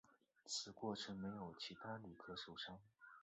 此过程没有其他旅客受伤。